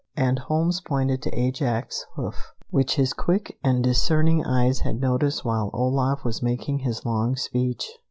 And Holmes pointed to Ajax's hoof, which his quick and discerning eyes had noticed while Olaf was making his long speech.